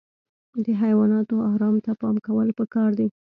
د حیواناتو ارام ته پام کول پکار دي.